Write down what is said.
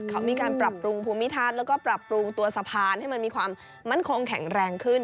เขามีการปรับปรุงภูมิทัศน์แล้วก็ปรับปรุงตัวสะพานให้มันมีความมั่นคงแข็งแรงขึ้น